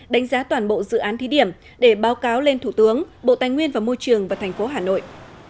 đánh giá toàn bộ dự án thí điểm để báo cáo lên thủ tướng bộ tài nguyên và môi trường và thành phố hà nội